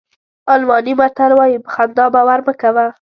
الماني متل وایي په خندا باور مه کوه.